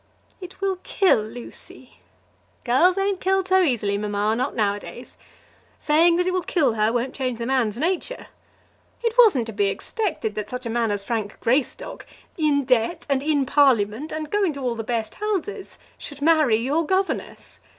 "It will kill Lucy." "Girls ain't killed so easy, mamma; not now a days. Saying that it will kill her won't change the man's nature. It wasn't to be expected that such a man as Frank Greystock, in debt, and in Parliament, and going to all the best houses, should marry your governess.